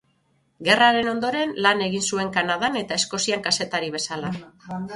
Gerraren ondoren lan egin zuen Kanadan eta Eskozian kazetari bezala.